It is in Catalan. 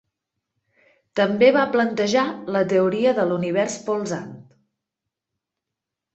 També va plantejar la Teoria de l'Univers Polsant.